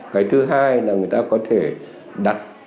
cái thứ hai là người ta có thể đặt